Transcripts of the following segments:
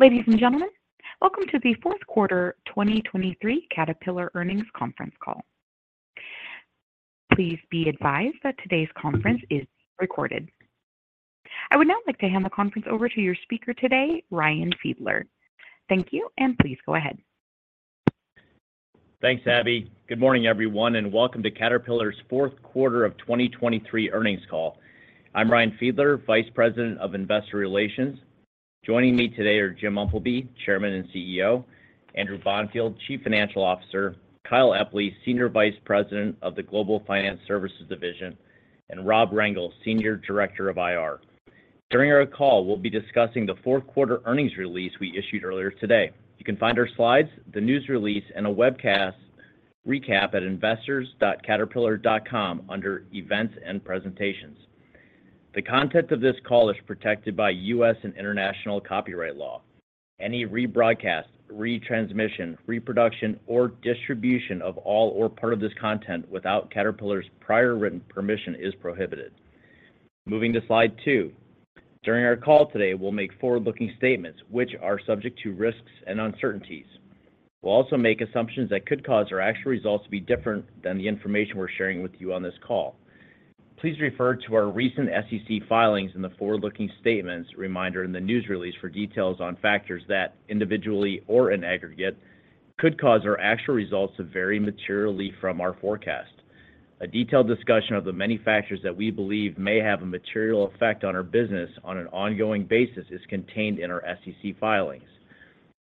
Ladies and gentlemen, welcome to the fourth quarter 2023 Caterpillar earnings conference call. Please be advised that today's conference is recorded. I would now like to hand the conference over to your speaker today, Ryan Fiedler. Thank you, and please go ahead. Thanks, Abby. Good morning, everyone, and welcome to Caterpillar's fourth quarter of 2023 earnings call. I'm Ryan Fiedler, Vice President of Investor Relations. Joining me today are Jim Umpleby, Chairman and CEO; Andrew Bonfield, Chief Financial Officer; Kyle Epley, Senior Vice President of the Global Finance Services Division; and Rob Rangel, Senior Director of IR. During our call, we'll be discussing the fourth quarter earnings release we issued earlier today. You can find our slides, the news release, and a webcast recap at investors.caterpillar.com under Events and Presentations. The content of this call is protected by U.S. and international copyright law. Any rebroadcast, retransmission, reproduction, or distribution of all or part of this content without Caterpillar's prior written permission is prohibited. Moving to slide two. During our call today, we'll make forward-looking statements which are subject to risks and uncertainties. We'll also make assumptions that could cause our actual results to be different than the information we're sharing with you on this call. Please refer to our recent SEC filings and the forward-looking statements reminder in the news release for details on factors that, individually or in aggregate, could cause our actual results to vary materially from our forecast. A detailed discussion of the many factors that we believe may have a material effect on our business on an ongoing basis is contained in our SEC filings.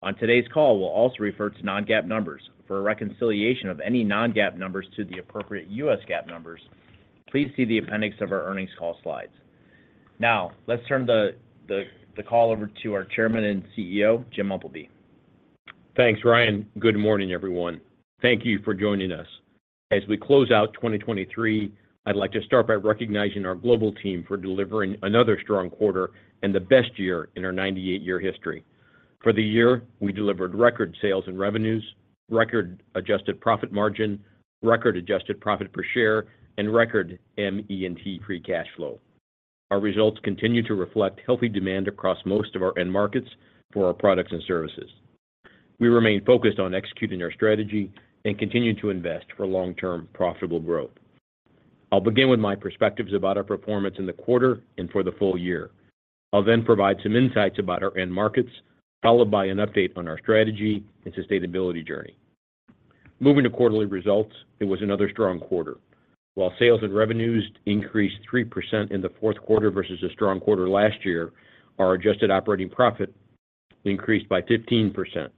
On today's call, we'll also refer to non-GAAP numbers. For a reconciliation of any non-GAAP numbers to the appropriate U.S. GAAP numbers, please see the appendix of our earnings call slides. Now, let's turn the call over to our Chairman and CEO, Jim Umpleby. Thanks, Ryan. Good morning, everyone. Thank you for joining us. As we close out 2023, I'd like to start by recognizing our global team for delivering another strong quarter and the best year in our 98-year history. For the year, we delivered record sales and revenues, record adjusted profit margin, record adjusted profit per share, and record ME&T free cash flow. Our results continue to reflect healthy demand across most of our end markets for our products and services. We remain focused on executing our strategy and continuing to invest for long-term profitable growth. I'll begin with my perspectives about our performance in the quarter and for the full year. I'll then provide some insights about our end markets, followed by an update on our strategy and sustainability journey. Moving to quarterly results, it was another strong quarter. While sales and revenues increased 3% in the fourth quarter versus a strong quarter last year, our adjusted operating profit increased by 15%.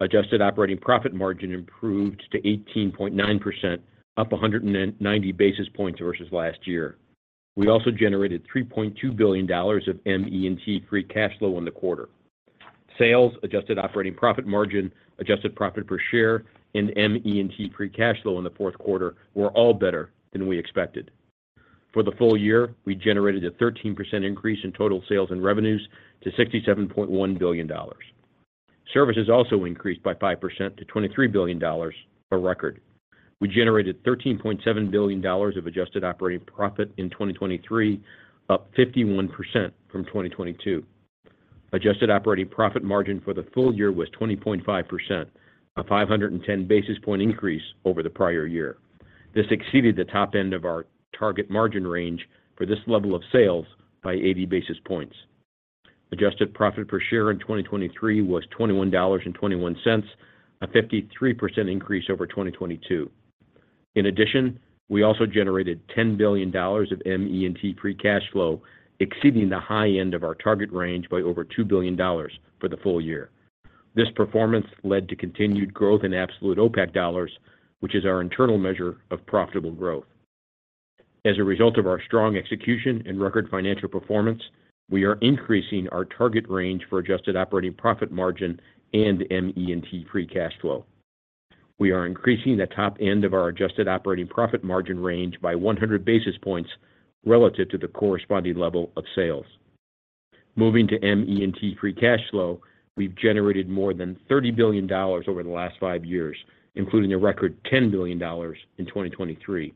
Adjusted operating profit margin improved to 18.9%, up 190 basis points versus last year. We also generated $3.2 billion of ME&T free cash flow in the quarter. Sales, adjusted operating profit margin, adjusted profit per share, and ME&T free cash flow in the fourth quarter were all better than we expected. For the full year, we generated a 13% increase in total sales and revenues to $67.1 billion. Services also increased by 5% to $23 billion, a record. We generated $13.7 billion of adjusted operating profit in 2023, up 51% from 2022. Adjusted operating profit margin for the full year was 20.5%, a 510 basis point increase over the prior year. This exceeded the top end of our target margin range for this level of sales by 80 basis points. Adjusted profit per share in 2023 was $21.21, a 53% increase over 2022. In addition, we also generated $10 billion of ME&T free cash flow, exceeding the high end of our target range by over $2 billion for the full year. This performance led to continued growth in absolute OPACC dollars, which is our internal measure of profitable growth. As a result of our strong execution and record financial performance, we are increasing our target range for adjusted operating profit margin and ME&T free cash flow. We are increasing the top end of our adjusted operating profit margin range by 100 basis points relative to the corresponding level of sales. Moving to ME&T free cash flow, we've generated more than $30 billion over the last five years, including a record $10 billion in 2023.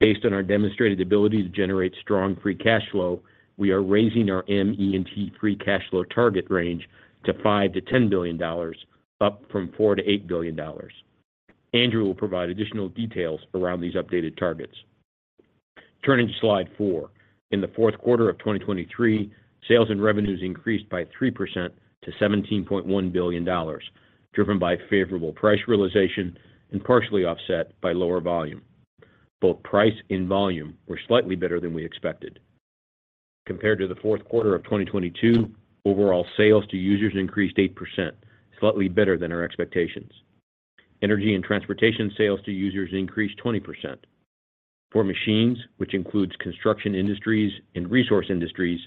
Based on our demonstrated ability to generate strong free cash flow, we are raising our ME&T free cash flow target range to $5 billion-$10 billion, up from $4 billion-$8 billion. Andrew will provide additional details around these updated targets. Turning to slide four. In the fourth quarter of 2023, sales and revenues increased by 3% to $17.1 billion, driven by favorable price realization and partially offset by lower volume. Both price and volume were slightly better than we expected. Compared to the fourth quarter of 2022, overall sales to users increased 8%, slightly better than our expectations. Energy and transportation sales to users increased 20%. For machines, which includes construction industries and resource industries,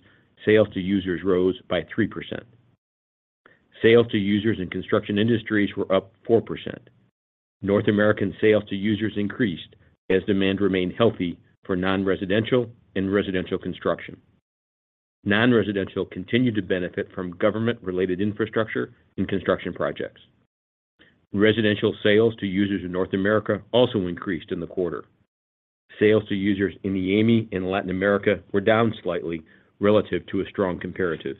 sales to users rose by 3%. Sales to users in construction industries were up 4%. North American sales to users increased as demand remained healthy for non-residential and residential construction. Non-residential continued to benefit from government-related infrastructure and construction projects.... Residential sales to users in North America also increased in the quarter. Sales to users in the EAME and Latin America were down slightly relative to a strong comparative.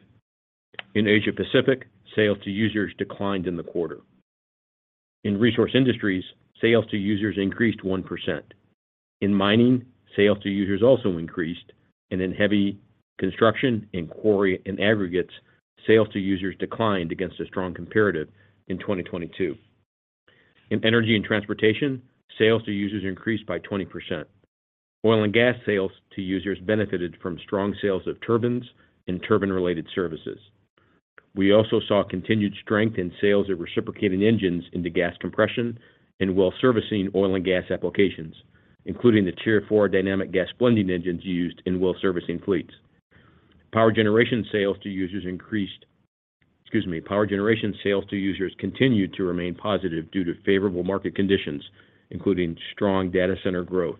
In Asia Pacific, sales to users declined in the quarter. In resource industries, sales to users increased 1%. In mining, sales to users also increased, and in heavy construction and quarry and aggregates, sales to users declined against a strong comparative in 2022. In energy and transportation, sales to users increased by 20%. Oil and gas sales to users benefited from strong sales of turbines and turbine-related services. We also saw continued strength in sales of reciprocating engines into gas compression and well servicing oil and gas applications, including the Tier 4 Dynamic Gas Blending engines used in well servicing fleets. Power generation sales to users increased - excuse me. Power generation sales to users continued to remain positive due to favorable market conditions, including strong data center growth.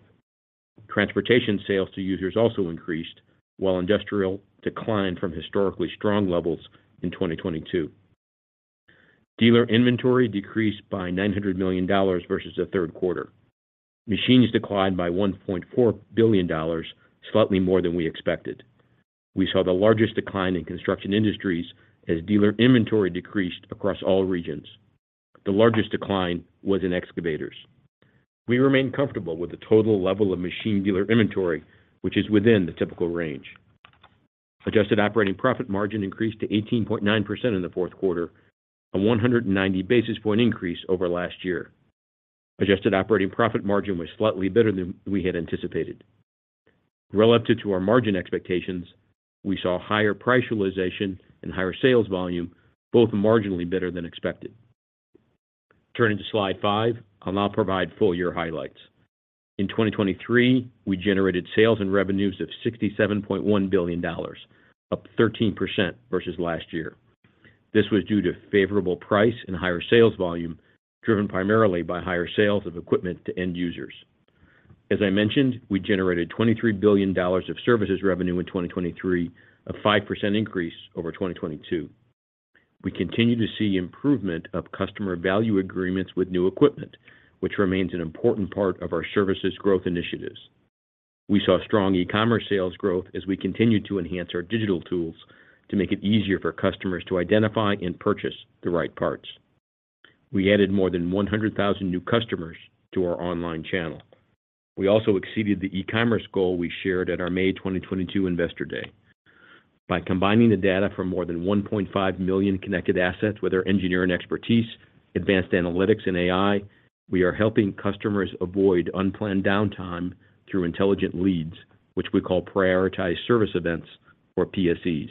Transportation sales to users also increased, while industrial declined from historically strong levels in 2022. Dealer inventory decreased by $900 million versus the third quarter. Machines declined by $1.4 billion, slightly more than we expected. We saw the largest decline in construction industries as dealer inventory decreased across all regions. The largest decline was in excavators. We remain comfortable with the total level of machine dealer inventory, which is within the typical range. Adjusted operating profit margin increased to 18.9% in the fourth quarter, a 190 basis point increase over last year. Adjusted operating profit margin was slightly better than we had anticipated. Relative to our margin expectations, we saw higher price realization and higher sales volume, both marginally better than expected. Turning to slide five, I'll now provide full year highlights. In 2023, we generated sales and revenues of $67.1 billion, up 13% versus last year. This was due to favorable price and higher sales volume, driven primarily by higher sales of equipment to end users. As I mentioned, we generated $23 billion of services revenue in 2023, a 5% increase over 2022. We continue to see improvement of Customer Value Agreements with new equipment, which remains an important part of our services growth initiatives. We saw strong e-commerce sales growth as we continued to enhance our digital tools to make it easier for customers to identify and purchase the right parts. We added more than 100,000 new customers to our online channel. We also exceeded the e-commerce goal we shared at our May 2022 Investor Day. By combining the data from more than 1.5 million connected assets with our engineering expertise, advanced analytics, and AI, we are helping customers avoid unplanned downtime through intelligent leads, which we call Prioritized Service Events or PSEs.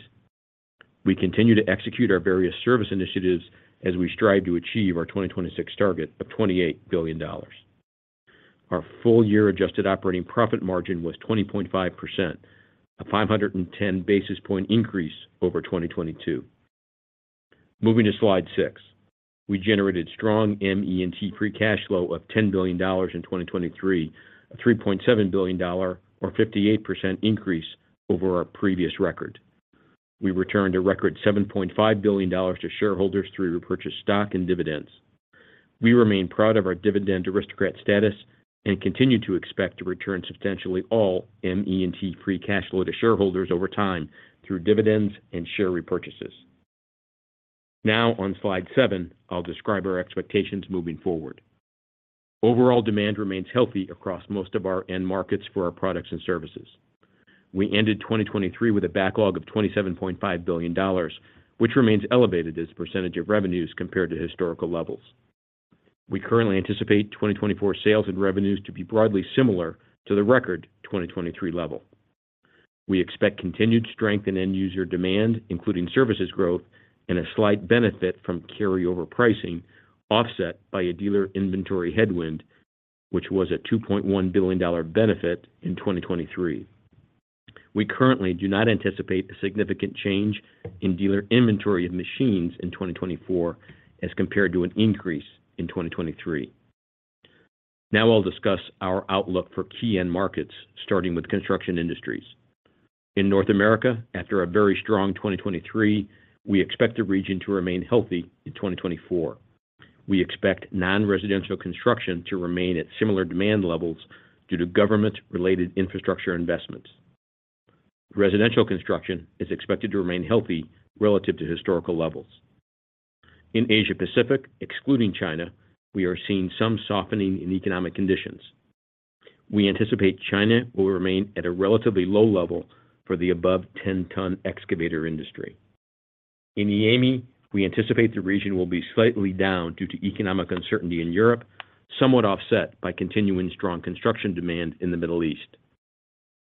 We continue to execute our various service initiatives as we strive to achieve our 2026 target of $28 billion. Our full year adjusted operating profit margin was 20.5%, a 510 basis point increase over 2022. Moving to slide six. We generated strong ME&T free cash flow of $10 billion in 2023, a $3.7 billion or 58% increase over our previous record. We returned a record $7.5 billion to shareholders through repurchased stock and dividends. We remain proud of our Dividend Aristocrat status and continue to expect to return substantially all ME&T free cash flow to shareholders over time through dividends and share repurchases. Now on slide seven, I'll describe our expectations moving forward. Overall demand remains healthy across most of our end markets for our products and services. We ended 2023 with a backlog of $27.5 billion, which remains elevated as a percentage of revenues compared to historical levels. We currently anticipate 2024 sales and revenues to be broadly similar to the record 2023 level. We expect continued strength in end user demand, including services growth, and a slight benefit from carryover pricing, offset by a dealer inventory headwind, which was a $2.1 billion benefit in 2023. We currently do not anticipate a significant change in dealer inventory of machines in 2024 as compared to an increase in 2023. Now I'll discuss our outlook for key end markets, starting with construction industries. In North America, after a very strong 2023, we expect the region to remain healthy in 2024. We expect non-residential construction to remain at similar demand levels due to government-related infrastructure investments. Residential construction is expected to remain healthy relative to historical levels. In Asia Pacific, excluding China, we are seeing some softening in economic conditions. We anticipate China will remain at a relatively low level for the above 10-ton excavator industry. In EAME, we anticipate the region will be slightly down due to economic uncertainty in Europe, somewhat offset by continuing strong construction demand in the Middle East.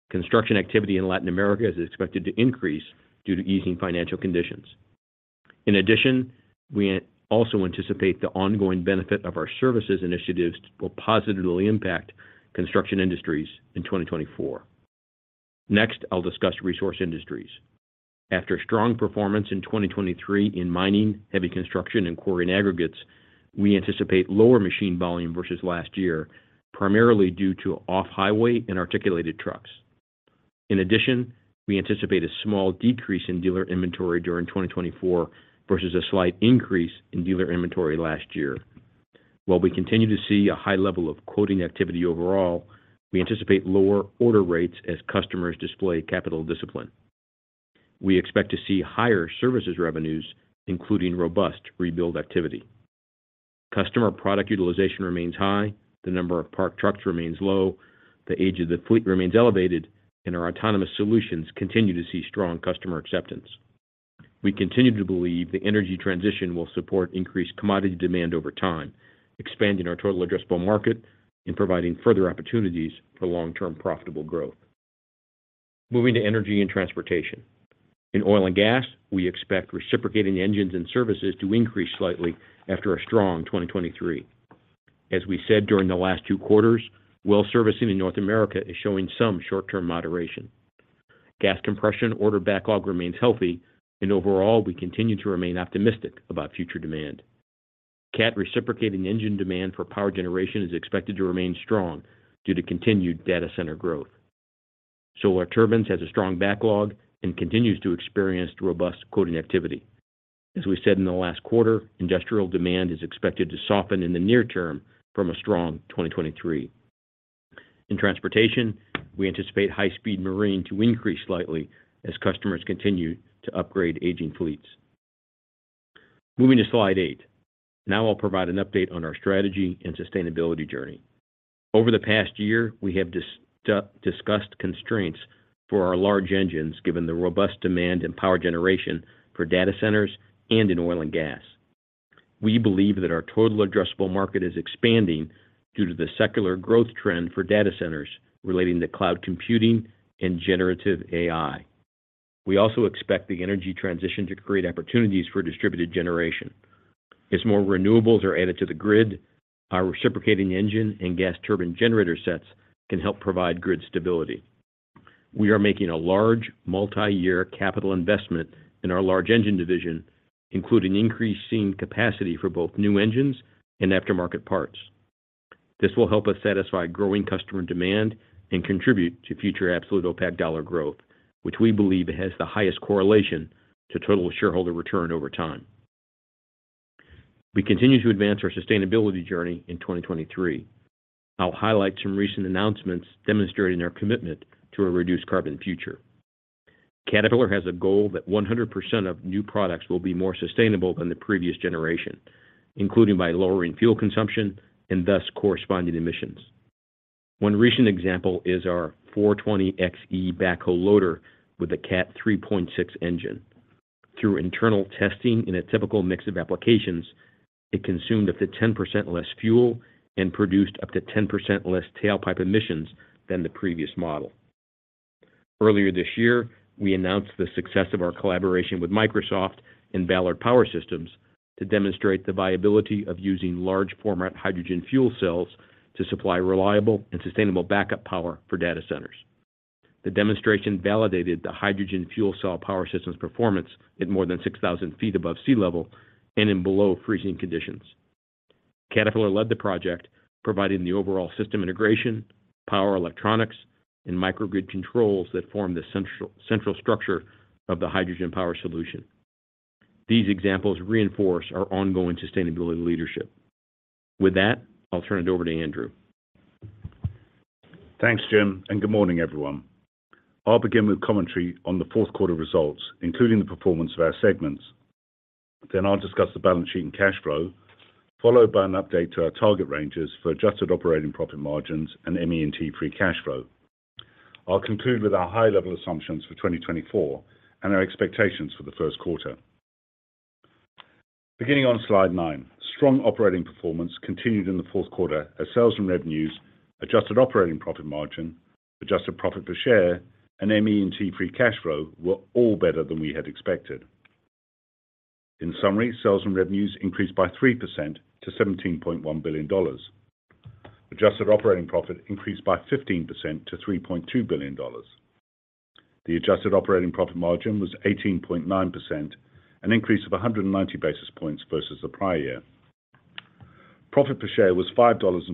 Construction activity in Latin America is expected to increase due to easing financial conditions. In addition, we also anticipate the ongoing benefit of our services initiatives will positively impact construction industries in 2024. Next, I'll discuss resource industries. After a strong performance in 2023 in mining, heavy construction, and quarry and aggregates, we anticipate lower machine volume versus last year, primarily due to off-highway and articulated trucks. In addition, we anticipate a small decrease in dealer inventory during 2024, versus a slight increase in dealer inventory last year. While we continue to see a high level of quoting activity overall, we anticipate lower order rates as customers display capital discipline. We expect to see higher services revenues, including robust rebuild activity. Customer product utilization remains high, the number of parked trucks remains low, the age of the fleet remains elevated, and our autonomous solutions continue to see strong customer acceptance. We continue to believe the energy transition will support increased commodity demand over time, expanding our total addressable market and providing further opportunities for long-term profitable growth. Moving to energy and transportation. In oil and gas, we expect reciprocating engines and services to increase slightly after a strong 2023. As we said during the last two quarters, well servicing in North America is showing some short-term moderation. Gas compression order backlog remains healthy, and overall, we continue to remain optimistic about future demand. Cat reciprocating engine demand for power generation is expected to remain strong due to continued data center growth. Solar Turbines has a strong backlog and continues to experience robust quoting activity. As we said in the last quarter, industrial demand is expected to soften in the near term from a strong 2023. In transportation, we anticipate high-speed marine to increase slightly as customers continue to upgrade aging fleets. Moving to slide eight. Now I'll provide an update on our strategy and sustainability journey. Over the past year, we have discussed constraints for our large engines, given the robust demand and power generation for data centers and in oil and gas. We believe that our total addressable market is expanding due to the secular growth trend for data centers relating to cloud computing and generative AI. We also expect the energy transition to create opportunities for distributed generation. As more renewables are added to the grid, our reciprocating engine and gas turbine generator sets can help provide grid stability. We are making a large multi-year capital investment in our large engine division, including increasing capacity for both new engines and aftermarket parts. This will help us satisfy growing customer demand and contribute to future absolute OPACC dollar growth, which we believe has the highest correlation to total shareholder return over time. We continue to advance our sustainability journey in 2023. I'll highlight some recent announcements demonstrating our commitment to a reduced carbon future. Caterpillar has a goal that 100% of new products will be more sustainable than the previous generation, including by lowering fuel consumption and thus corresponding emissions. One recent example is our 420 XE Backhoe Loader with a Cat® C3.6 engine. Through internal testing in a typical mix of applications, it consumed up to 10% less fuel and produced up to 10% less tailpipe emissions than the previous model. Earlier this year, we announced the success of our collaboration with Microsoft and Ballard Power Systems to demonstrate the viability of using large-format hydrogen fuel cells to supply reliable and sustainable backup power for data centers. The demonstration validated the hydrogen fuel cell power system's performance at more than 6,000 feet above sea level and in below freezing conditions. Caterpillar led the project, providing the overall system integration, power electronics, and microgrid controls that form the central structure of the hydrogen power solution. These examples reinforce our ongoing sustainability leadership. With that, I'll turn it over to Andrew. Thanks, Jim, and good morning, everyone. I'll begin with commentary on the fourth quarter results, including the performance of our segments. Then I'll discuss the balance sheet and cash flow, followed by an update to our target ranges for adjusted operating profit margins and ME&T free cash flow. I'll conclude with our high-level assumptions for 2024 and our expectations for the first quarter. Beginning on slide nine. Strong operating performance continued in the fourth quarter as sales and revenues, adjusted operating profit margin, adjusted profit per share, and ME&T free cash flow were all better than we had expected. In summary, sales and revenues increased by 3% to $17.1 billion. Adjusted operating profit increased by 15% to $3.2 billion. The adjusted operating profit margin was 18.9%, an increase of 190 basis points versus the prior year. Profit per share was $5.28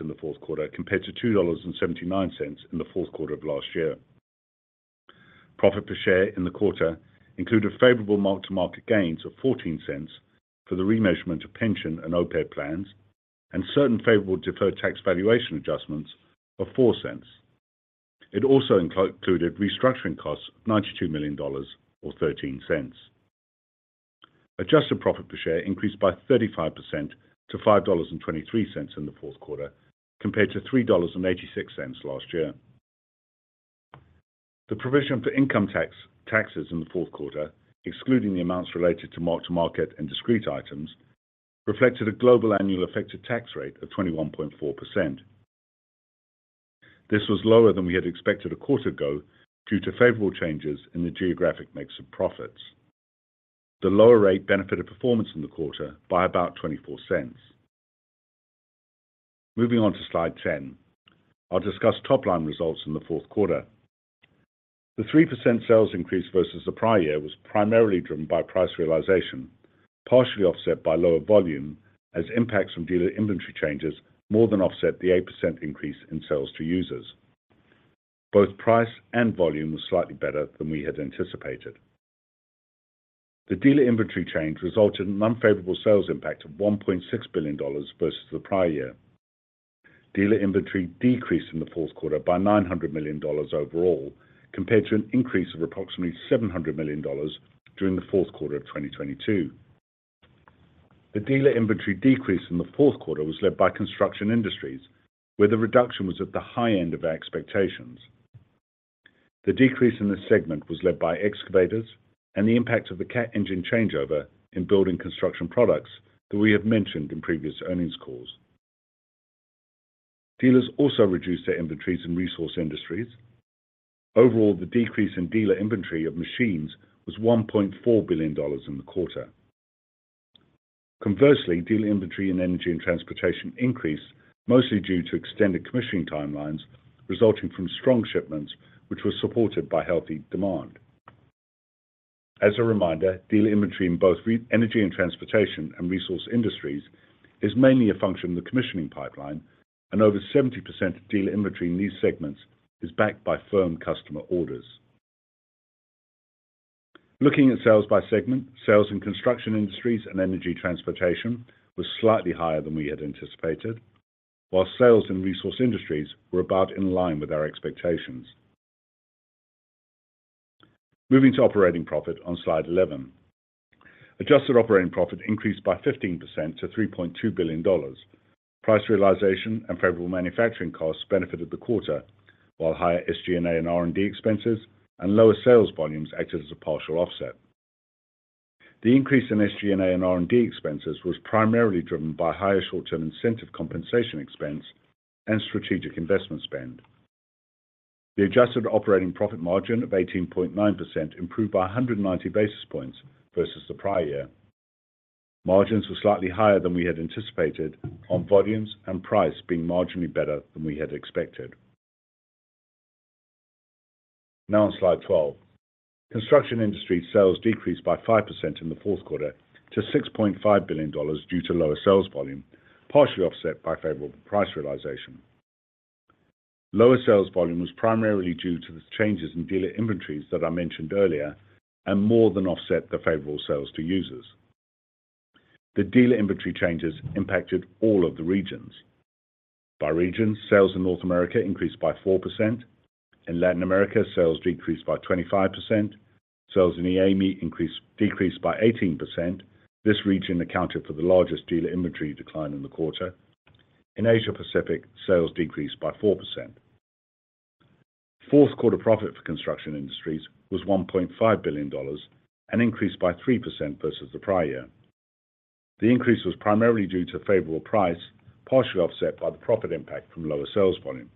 in the fourth quarter, compared to $2.79 in the fourth quarter of last year. Profit per share in the quarter included favorable mark-to-market gains of $0.14 for the remeasurement of pension and OPEB plans, and certain favorable deferred tax valuation adjustments of $0.04. It also included restructuring costs of $92 million or $0.13. Adjusted profit per share increased by 35% to $5.23 in the fourth quarter, compared to $3.86 last year. The provision for income taxes in the fourth quarter, excluding the amounts related to mark-to-market and discrete items, reflected a global annual effective tax rate of 21.4%. This was lower than we had expected a quarter ago, due to favorable changes in the geographic mix of profits. The lower rate benefited performance in the quarter by about $0.24. Moving on to slide 10. I'll discuss top-line results in the fourth quarter. The 3% sales increase versus the prior year was primarily driven by price realization... partially offset by lower volume, as impacts from dealer inventory changes more than offset the 8% increase in sales to users. Both price and volume were slightly better than we had anticipated. The dealer inventory change resulted in an unfavorable sales impact of $1.6 billion versus the prior year. Dealer inventory decreased in the fourth quarter by $900 million overall, compared to an increase of approximately $700 million during the fourth quarter of 2022. The dealer inventory decrease in the fourth quarter was led by construction industries, where the reduction was at the high end of our expectations. The decrease in this segment was led by excavators and the impact of the Cat engine changeover in building construction products that we have mentioned in previous earnings calls. Dealers also reduced their inventories in resource industries. Overall, the decrease in dealer inventory of machines was $1.4 billion in the quarter. Conversely, dealer inventory in energy and transportation increased, mostly due to extended commissioning timelines resulting from strong shipments, which were supported by healthy demand. As a reminder, dealer inventory in both energy and transportation and resource industries is mainly a function of the commissioning pipeline, and over 70% of dealer inventory in these segments is backed by firm customer orders. Looking at sales by segment, sales in construction industries and energy transportation was slightly higher than we had anticipated, while sales in resource industries were about in line with our expectations. Moving to operating profit on slide 11. Adjusted operating profit increased by 15% to $3.2 billion. Price realization and favorable manufacturing costs benefited the quarter, while higher SG&A and R&D expenses and lower sales volumes acted as a partial offset. The increase in SG&A and R&D expenses was primarily driven by higher short-term incentive compensation expense and strategic investment spend. The adjusted operating profit margin of 18.9% improved by 190 basis points versus the prior year. Margins were slightly higher than we had anticipated on volumes and price being marginally better than we had expected. Now on slide 12. Construction industry sales decreased by 5% in the fourth quarter to $6.5 billion due to lower sales volume, partially offset by favorable price realization. Lower sales volume was primarily due to the changes in dealer inventories that I mentioned earlier, and more than offset the favorable sales to users. The dealer inventory changes impacted all of the regions. By region, sales in North America increased by 4%. In Latin America, sales decreased by 25%. Sales in EAME decreased by 18%. This region accounted for the largest dealer inventory decline in the quarter. In Asia Pacific, sales decreased by 4%. Fourth quarter profit for construction industries was $1.5 billion, an increase by 3% versus the prior year. The increase was primarily due to favorable price, partially offset by the profit impact from lower sales volume.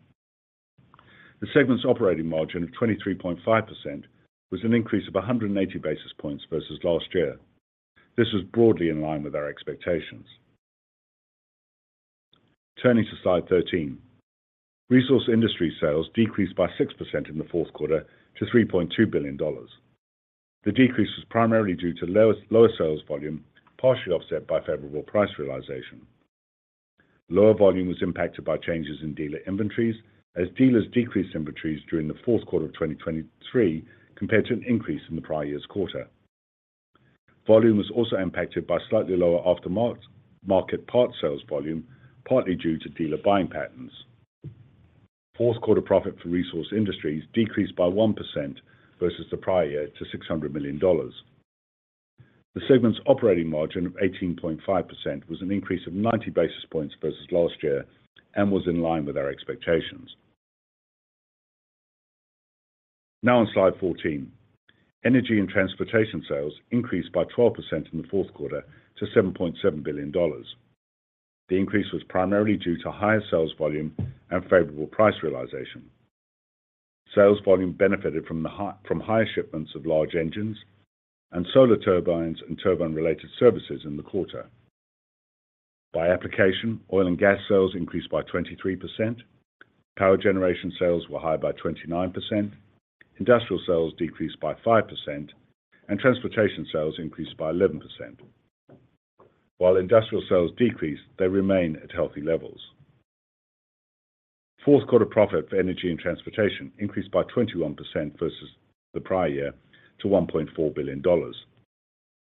The segment's operating margin of 23.5% was an increase of 180 basis points versus last year. This was broadly in line with our expectations. Turning to slide 13. Resource industry sales decreased by 6% in the fourth quarter to $3.2 billion. The decrease was primarily due to lower sales volume, partially offset by favorable price realization. Lower volume was impacted by changes in dealer inventories, as dealers decreased inventories during the fourth quarter of 2023 compared to an increase in the prior year's quarter. Volume was also impacted by slightly lower aftermarket parts sales volume, partly due to dealer buying patterns. Fourth quarter profit for resource industries decreased by 1% versus the prior year to $600 million. The segment's operating margin of 18.5% was an increase of 90 basis points versus last year and was in line with our expectations. Now on slide 14. Energy and transportation sales increased by 12% in the fourth quarter to $7.7 billion. The increase was primarily due to higher sales volume and favorable price realization. Sales volume benefited from higher shipments of large engines and Solar Turbines and turbine-related services in the quarter. By application, oil and gas sales increased by 23%, power generation sales were higher by 29%, industrial sales decreased by 5%, and transportation sales increased by 11%. While industrial sales decreased, they remain at healthy levels. Fourth quarter profit for energy and transportation increased by 21% versus the prior year to $1.4 billion.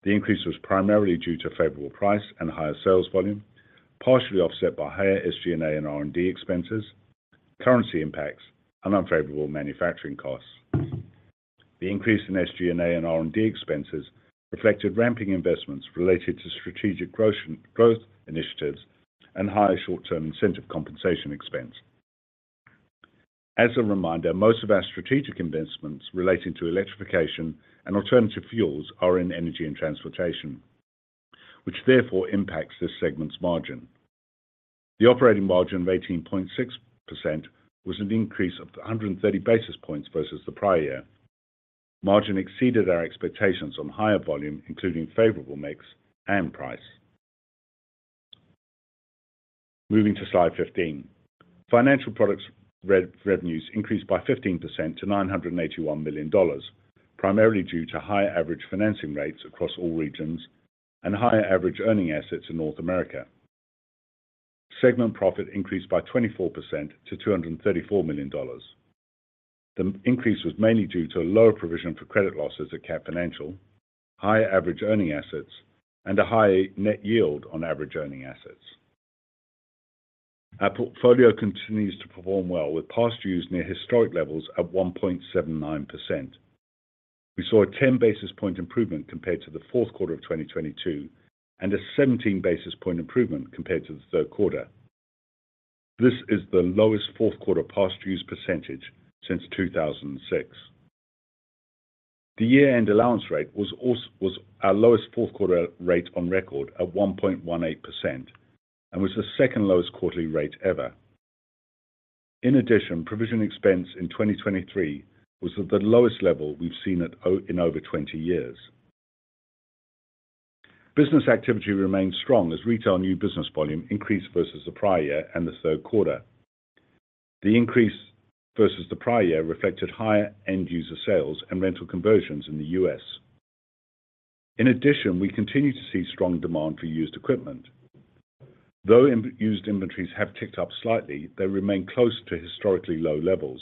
The increase was primarily due to favorable price and higher sales volume, partially offset by higher SG&A and R&D expenses, currency impacts, and unfavorable manufacturing costs. The increase in SG&A and R&D expenses reflected ramping investments related to strategic growth, growth initiatives and higher short-term incentive compensation expense. As a reminder, most of our strategic investments relating to electrification and alternative fuels are in energy and transportation, which therefore impacts this segment's margin. The operating margin of 18.6% was an increase of 130 basis points versus the prior year. Margin exceeded our expectations on higher volume, including favorable mix and price... Moving to slide 15. Financial products revenues increased by 15% to $981 million, primarily due to higher average financing rates across all regions and higher average earning assets in North America. Segment profit increased by 24% to $234 million. The increase was mainly due to a lower provision for credit losses at Cat Financial, higher average earning assets, and a higher net yield on average earning assets. Our portfolio continues to perform well, with past dues near historic levels at 1.79%. We saw a 10 basis point improvement compared to the fourth quarter of 2022, and a 17 basis point improvement compared to the third quarter. This is the lowest fourth quarter past dues percentage since 2006. The year-end allowance rate was also our lowest fourth quarter rate on record at 1.18%, and was the second-lowest quarterly rate ever. In addition, provision expense in 2023 was at the lowest level we've seen in over 20 years. Business activity remains strong as retail new business volume increased versus the prior year and the third quarter. The increase versus the prior year reflected higher end-user sales and rental conversions in the U.S. In addition, we continue to see strong demand for used equipment. Though used inventories have ticked up slightly, they remain close to historically low levels.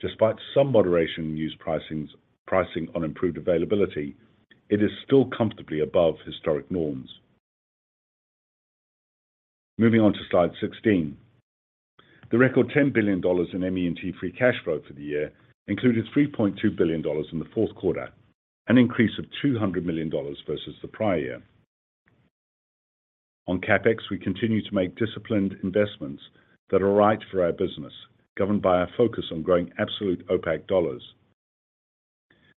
Despite some moderation in used pricings, pricing on improved availability, it is still comfortably above historic norms. Moving on to slide 16. The record $10 billion in ME&T free cash flow for the year included $3.2 billion in the fourth quarter, an increase of $200 million versus the prior year. On CapEx, we continue to make disciplined investments that are right for our business, governed by our focus on growing absolute OPACC dollars.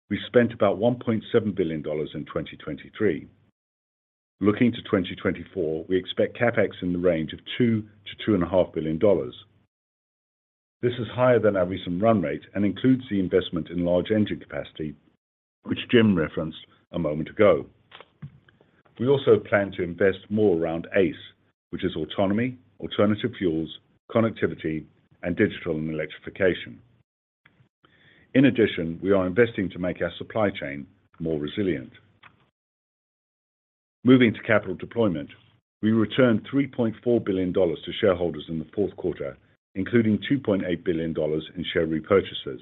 We spent about $1.7 billion in 2023. Looking to 2024, we expect CapEx in the range of $2 billion-$2.5 billion. This is higher than our recent run rate and includes the investment in large engine capacity, which Jim referenced a moment ago. We also plan to invest more around AACE, which is autonomy, alternative fuels, connectivity, and digital and electrification. In addition, we are investing to make our supply chain more resilient. Moving to capital deployment, we returned $3.4 billion to shareholders in the fourth quarter, including $2.8 billion in share repurchases.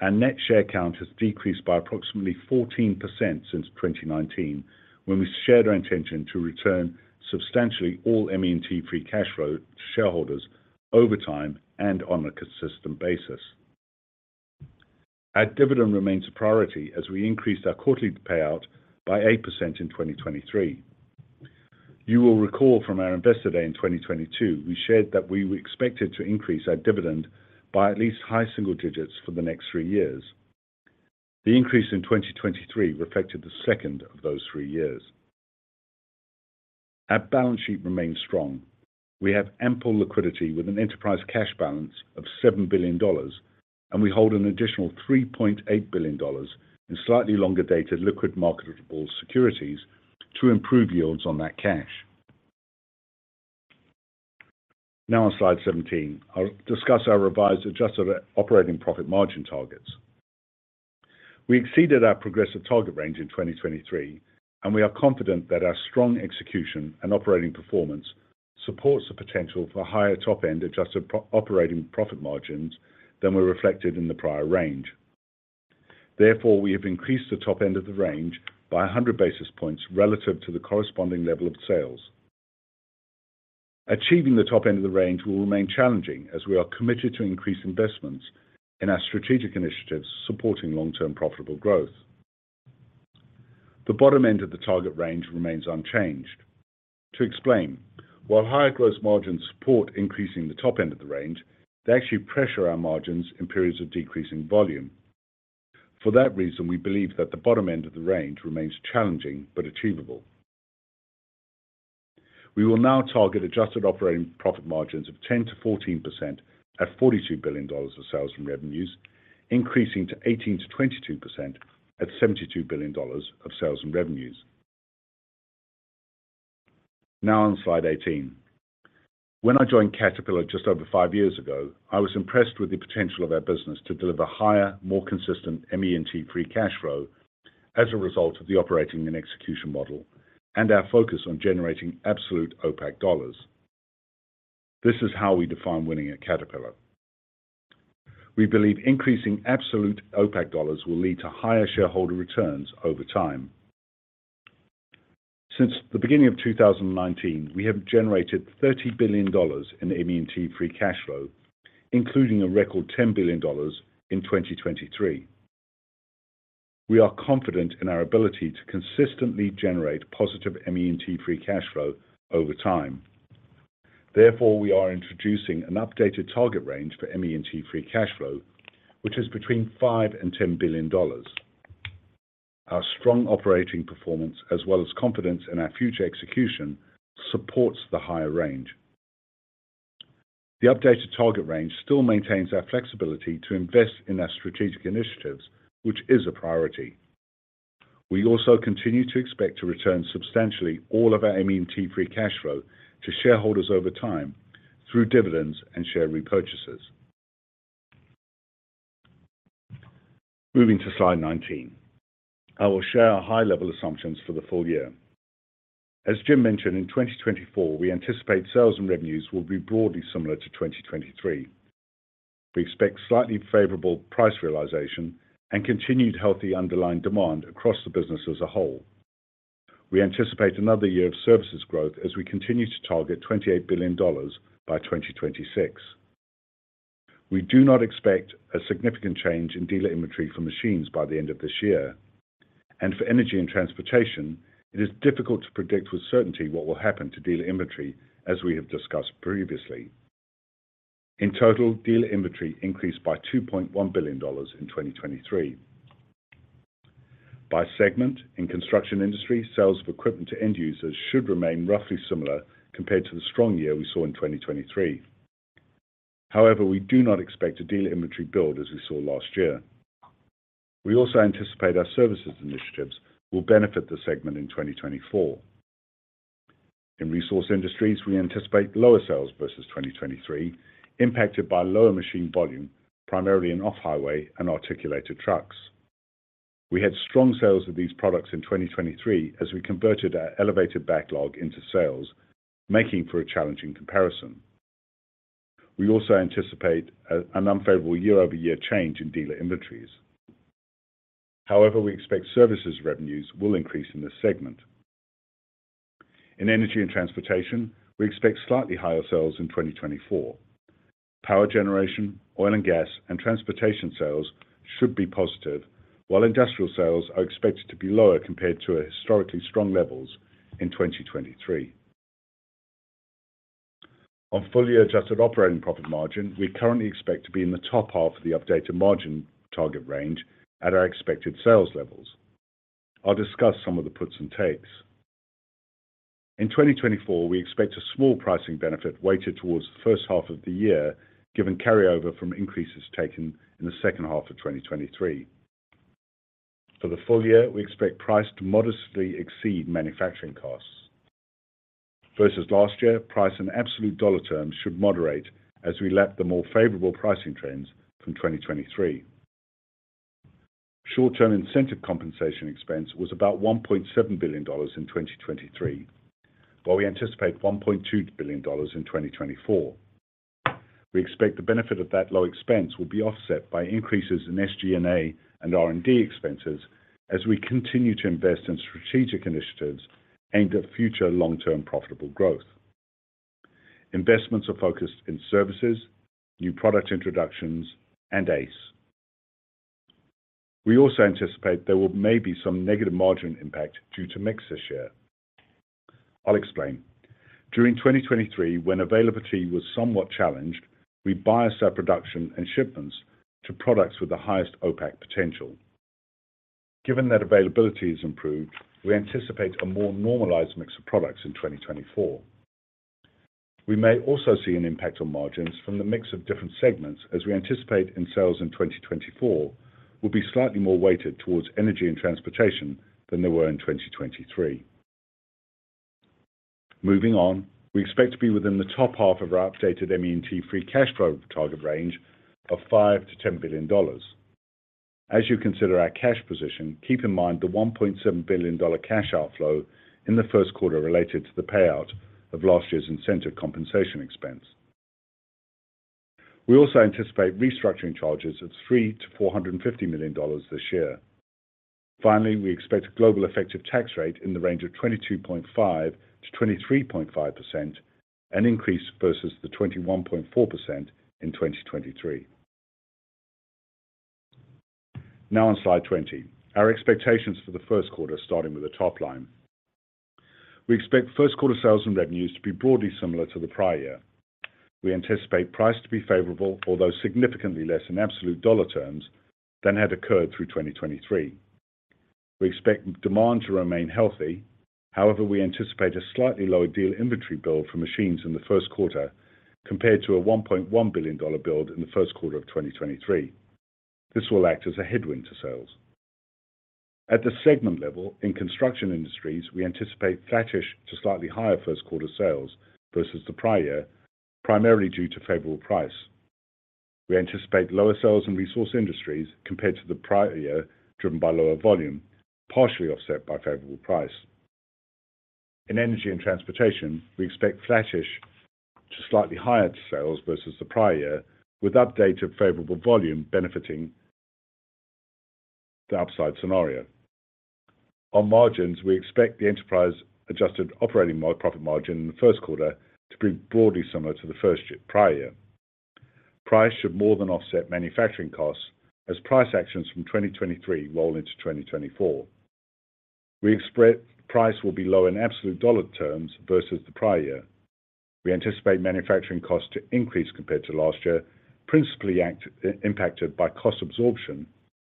Our net share count has decreased by approximately 14% since 2019, when we shared our intention to return substantially all ME&T free cash flow to shareholders over time and on a consistent basis. Our dividend remains a priority as we increased our quarterly payout by 8% in 2023. You will recall from our Investor Day in 2022, we shared that we expected to increase our dividend by at least high single digits for the next three years. The increase in 2023 reflected the second of those three years. Our balance sheet remains strong. We have ample liquidity with an enterprise cash balance of $7 billion, and we hold an additional $3.8 billion in slightly longer-dated, liquid, marketable securities to improve yields on that cash. Now on slide 17, I'll discuss our revised adjusted operating profit margin targets. We exceeded our progressive target range in 2023, and we are confident that our strong execution and operating performance supports the potential for higher top-end adjusted operating profit margins than were reflected in the prior range. Therefore, we have increased the top end of the range by 100 basis points relative to the corresponding level of sales. Achieving the top end of the range will remain challenging, as we are committed to increase investments in our strategic initiatives supporting long-term profitable growth. The bottom end of the target range remains unchanged. To explain, while higher gross margins support increasing the top end of the range, they actually pressure our margins in periods of decreasing volume. For that reason, we believe that the bottom end of the range remains challenging but achievable. We will now target adjusted operating profit margins of 10%-14% at $42 billion of sales and revenues, increasing to 18%-22% at $72 billion of sales and revenues. Now on slide 18. When I joined Caterpillar just over five years ago, I was impressed with the potential of our business to deliver higher, more consistent ME&T free cash flow as a result of the operating and execution model, and our focus on generating absolute OPACC dollars. This is how we define winning at Caterpillar. We believe increasing absolute OPACC dollars will lead to higher shareholder returns over time. Since the beginning of 2019, we have generated $30 billion in ME&T free cash flow, including a record $10 billion in 2023. We are confident in our ability to consistently generate positive ME&T free cash flow over time. Therefore, we are introducing an updated target range for ME&T free cash flow, which is between $5 billion and $10 billion. Our strong operating performance, as well as confidence in our future execution, supports the higher range. The updated target range still maintains our flexibility to invest in our strategic initiatives, which is a priority. We also continue to expect to return substantially all of our ME&T free cash flow to shareholders over time through dividends and share repurchases. Moving to slide 19. I will share our high-level assumptions for the full year. As Jim mentioned, in 2024, we anticipate sales and revenues will be broadly similar to 2023. We expect slightly favorable price realization and continued healthy underlying demand across the business as a whole. We anticipate another year of services growth as we continue to target $28 billion by 2026. We do not expect a significant change in dealer inventory for machines by the end of this year. For energy and transportation, it is difficult to predict with certainty what will happen to dealer inventory, as we have discussed previously. In total, dealer inventory increased by $2.1 billion in 2023. By segment, in construction industry, sales of equipment to end users should remain roughly similar compared to the strong year we saw in 2023. However, we do not expect a dealer inventory build as we saw last year. We also anticipate our services initiatives will benefit the segment in 2024. In resource industries, we anticipate lower sales versus 2023, impacted by lower machine volume, primarily in off-highway and articulated trucks. We had strong sales of these products in 2023 as we converted our elevated backlog into sales, making for a challenging comparison. We also anticipate an unfavorable year-over-year change in dealer inventories. However, we expect services revenues will increase in this segment. In energy and transportation, we expect slightly higher sales in 2024. Power generation, oil and gas, and transportation sales should be positive, while industrial sales are expected to be lower compared to historically strong levels in 2023. On fully adjusted operating profit margin, we currently expect to be in the top half of the updated margin target range at our expected sales levels. I'll discuss some of the puts and takes. In 2024, we expect a small pricing benefit weighted towards the first half of the year, given carryover from increases taken in the second half of 2023. For the full year, we expect price to modestly exceed manufacturing costs. Versus last year, price and absolute dollar terms should moderate as we lap the more favorable pricing trends from 2023. Short-term incentive compensation expense was about $1.7 billion in 2023, while we anticipate $1.2 billion in 2024. We expect the benefit of that low expense will be offset by increases in SG&A and R&D expenses as we continue to invest in strategic initiatives aimed at future long-term profitable growth. Investments are focused in services, new product introductions, and AACE. We also anticipate there may be some negative margin impact due to mix this year. I'll explain. During 2023, when availability was somewhat challenged, we biased our production and shipments to products with the highest OPACC potential. Given that availability is improved, we anticipate a more normalized mix of products in 2024. We may also see an impact on margins from the mix of different segments, as we anticipate in sales in 2024 will be slightly more weighted towards energy and transportation than they were in 2023. Moving on, we expect to be within the top half of our updated ME&T free cash flow target range of $5 billion-$10 billion. As you consider our cash position, keep in mind the $1.7 billion cash outflow in the first quarter related to the payout of last year's incentive compensation expense. We also anticipate restructuring charges of $300 million-$450 million this year. Finally, we expect a global effective tax rate in the range of 22.5%-23.5%, an increase versus the 21.4% in 2023. Now on slide 20, our expectations for the first quarter, starting with the top line. We expect first quarter sales and revenues to be broadly similar to the prior year. We anticipate price to be favorable, although significantly less in absolute dollar terms than had occurred through 2023. We expect demand to remain healthy. However, we anticipate a slightly lower dealer inventory build for machines in the first quarter, compared to a $1.1 billion build in the first quarter of 2023. This will act as a headwind to sales. At the segment level, in construction industries, we anticipate flattish to slightly higher first quarter sales versus the prior year, primarily due to favorable price. We anticipate lower sales in resource industries compared to the prior year, driven by lower volume, partially offset by favorable price. In energy and transportation, we expect flattish to slightly higher sales versus the prior year, with updated favorable volume benefiting the upside scenario. On margins, we expect the enterprise-adjusted operating profit margin in the first quarter to be broadly similar to the first prior year. Price should more than offset manufacturing costs as price actions from 2023 roll into 2024. We expect price will be low in absolute dollar terms versus the prior year. We anticipate manufacturing costs to increase compared to last year, principally impacted by cost absorption,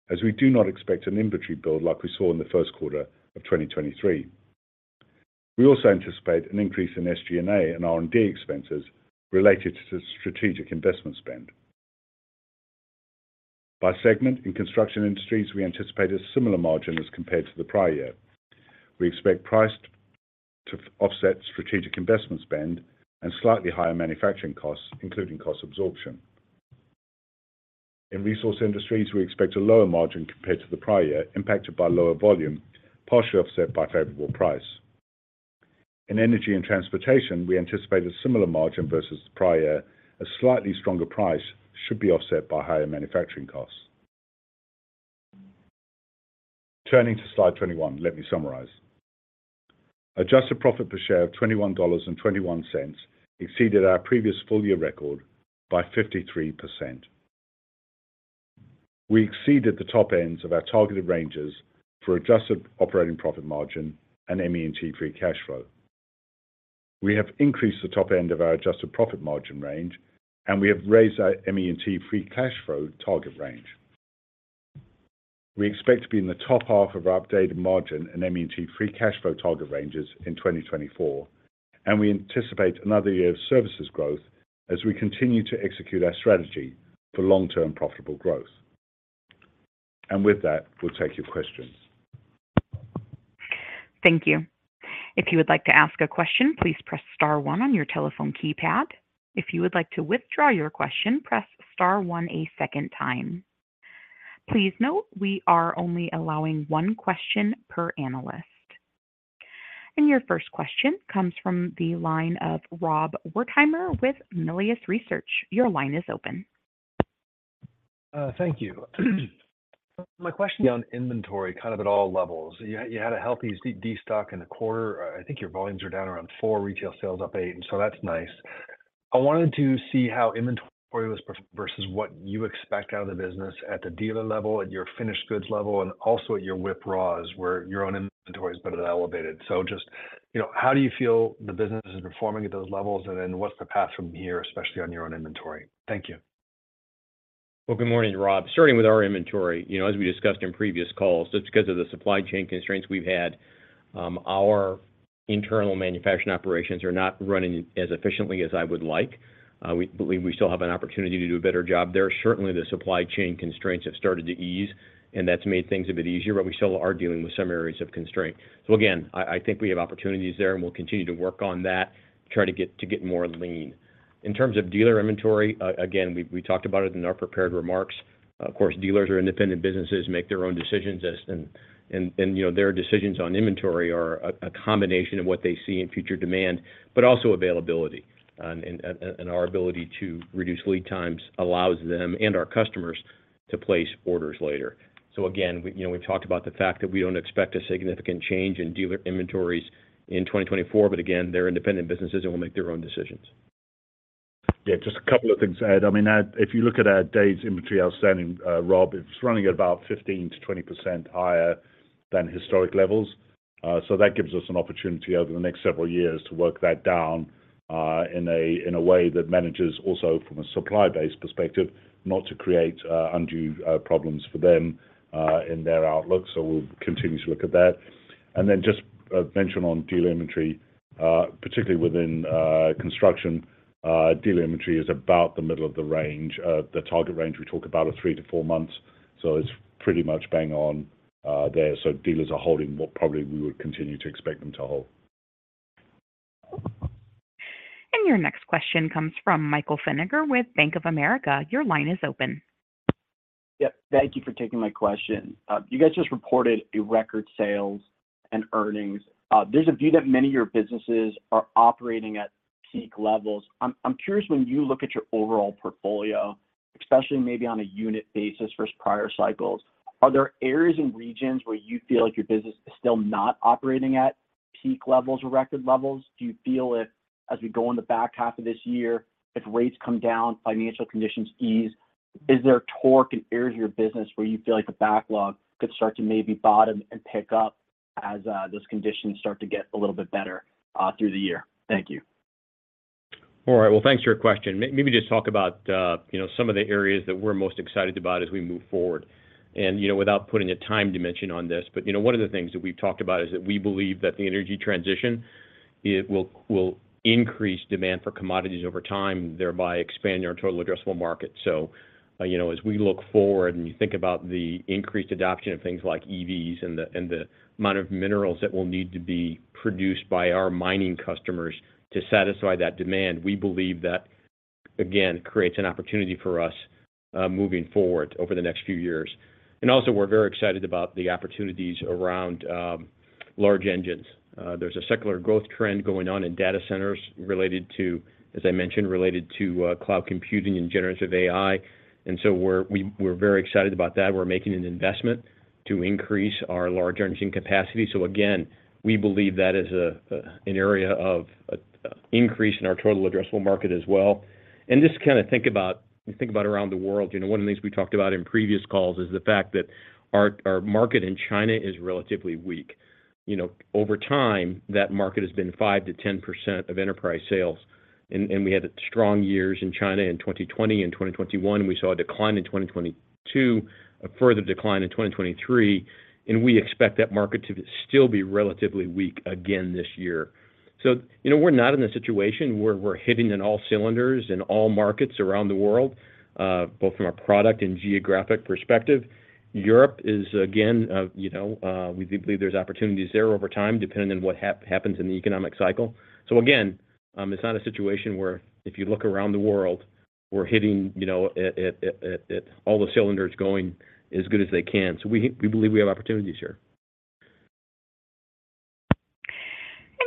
as we do not expect an inventory build like we saw in the first quarter of 2023. We also anticipate an increase in SG&A and R&D expenses related to strategic investment spend. By segment, in construction industries, we anticipate a similar margin as compared to the prior year. We expect price to offset strategic investment spend and slightly higher manufacturing costs, including cost absorption. In resource industries, we expect a lower margin compared to the prior year, impacted by lower volume, partially offset by favorable price. In energy and transportation, we anticipate a similar margin versus the prior year, a slightly stronger price should be offset by higher manufacturing costs. Turning to slide 21, let me summarize. Adjusted profit per share of $21.21 exceeded our previous full year record by 53%. We exceeded the top ends of our targeted ranges for adjusted operating profit margin and ME&T free cash flow. We have increased the top end of our adjusted profit margin range, and we have raised our ME&T free cash flow target range. We expect to be in the top half of our updated margin and ME&T free cash flow target ranges in 2024, and we anticipate another year of services growth as we continue to execute our strategy for long-term profitable growth. With that, we'll take your questions. Thank you. If you would like to ask a question, please press star one on your telephone keypad. If you would like to withdraw your question, press star one a second time. Please note, we are only allowing one question per analyst. Your first question comes from the line of Rob Wertheimer with Melius Research. Your line is open. Thank you. My question is on inventory, kind of at all levels. You had a healthy dealer stock in the quarter. I think your volumes are down around four, retail sales up eight, and so that's nice. I wanted to see how inventory was versus what you expect out of the business at the dealer level, at your finished goods level, and also at your WIP raws, where your own inventory is a bit elevated. So just, you know, how do you feel the business is performing at those levels, and then what's the path from here, especially on your own inventory? Thank you. Well, good morning, Rob. Starting with our inventory, you know, as we discussed in previous calls, just because of the supply chain constraints we've had, our internal manufacturing operations are not running as efficiently as I would like. We believe we still have an opportunity to do a better job there. Certainly, the supply chain constraints have started to ease, and that's made things a bit easier, but we still are dealing with some areas of constraint. So again, I think we have opportunities there, and we'll continue to work on that, try to get more lean. In terms of dealer inventory, again, we talked about it in our prepared remarks. Of course, dealers are independent businesses, make their own decisions, and, you know, their decisions on inventory are a combination of what they see in future demand, but also availability. Our ability to reduce lead times allows them and our customers to place orders later. So again, you know, we talked about the fact that we don't expect a significant change in dealer inventories in 2024, but again, they're independent businesses and will make their own decisions. Yeah, just a couple of things to add. I mean, if you look at our days inventory outstanding, Rob, it's running at about 15%-20% higher than historic levels. So that gives us an opportunity over the next several years to work that down, in a way that manages also from a supply-based perspective, not to create undue problems for them in their outlook. So we'll continue to look at that. And then just mention on dealer inventory, particularly within construction, dealer inventory is about the middle of the range. The target range we talk about are three to four months, so it's pretty much bang on there. So dealers are holding what probably we would continue to expect them to hold. Your next question comes from Michael Feniger with Bank of America. Your line is open. Yeah, thank you for taking my question. You guys just reported a record sales and earnings. There's a view that many of your businesses are operating at peak levels. I'm, I'm curious, when you look at your overall portfolio, especially maybe on a unit basis versus prior cycles, are there areas and regions where you feel like your business is still not operating at peak levels or record levels? Do you feel if, as we go in the back half of this year, if rates come down, financial conditions ease, is there torque in areas of your business where you feel like the backlog could start to maybe bottom and pick up as, those conditions start to get a little bit better, through the year? Thank you. All right, well, thanks for your question. Maybe just talk about, you know, some of the areas that we're most excited about as we move forward. And, you know, without putting a time dimension on this, but, you know, one of the things that we've talked about is that we believe that the energy transition, it will, will increase demand for commodities over time, thereby expanding our total addressable market. So, you know, as we look forward and you think about the increased adoption of things like EVs and the, and the amount of minerals that will need to be produced by our mining customers to satisfy that demand, we believe that, again, creates an opportunity for us, moving forward over the next few years. And also, we're very excited about the opportunities around, large engines. There's a secular growth trend going on in data centers related to, as I mentioned, related to, cloud computing and generative AI. So we're very excited about that. We're making an investment to increase our large engine capacity. So again, we believe that is a an area of increase in our total addressable market as well. And just kind of think about around the world. You know, one of the things we talked about in previous calls is the fact that our market in China is relatively weak. You know, over time, that market has been 5%-10% of enterprise sales... and we had strong years in China in 2020 and 2021. We saw a decline in 2022, a further decline in 2023, and we expect that market to still be relatively weak again this year. So, you know, we're not in a situation where we're hitting on all cylinders in all markets around the world, both from a product and geographic perspective. Europe is, again, you know, we do believe there's opportunities there over time, depending on what happens in the economic cycle. So again, it's not a situation where if you look around the world, we're hitting, you know, at all the cylinders going as good as they can. So we believe we have opportunities here.